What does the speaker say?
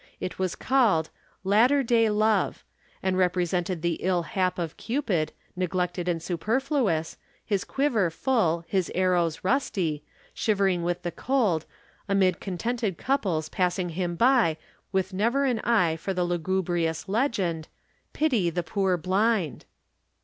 It was called "Latter day Love," and represented the ill hap of Cupid, neglected and superfluous, his quiver full, his arrows rusty, shivering with the cold, amid contented couples passing him by with never an eye for the lugubrious legend, "Pity the Poor Blind."